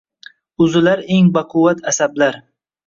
Uzilar eng baquvvat asablar.